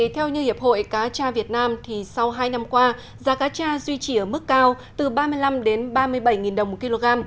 theo như hiệp hội cá tra việt nam sau hai năm qua giá cá cha duy trì ở mức cao từ ba mươi năm ba mươi bảy đồng một kg